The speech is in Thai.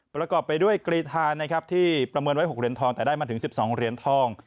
ประกอบไปด้วยกรีธานะครับที่ประเมินไว้๖เหรียญทองแต่ได้มาถึง๑๒เหรียญทอง